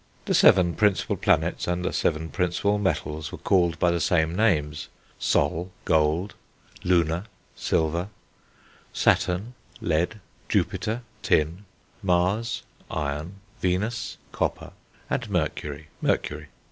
The seven principal planets and the seven principal metals were called by the same names: Sol (gold), Luna (silver), Saturn (lead), Jupiter (tin), Mars (iron), Venus (copper), and Mercury (mercury).